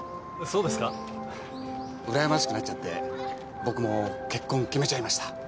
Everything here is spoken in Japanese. うらやましくなっちゃって僕も結婚決めちゃいました。